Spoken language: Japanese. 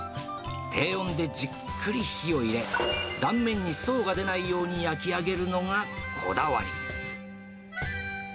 低温でじっくり火を入れ、断面に層が出ないように焼き上げるのがこだわり。